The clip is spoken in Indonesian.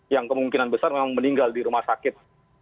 yang kemungkinan besar memang meninggal di rumah sakit